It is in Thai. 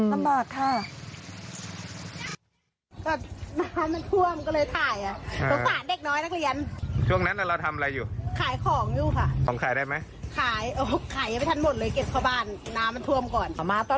ลำบากนะลำบากค่ะ